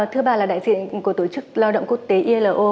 thưa bà là đại diện của tổ chức lao động quốc tế ilo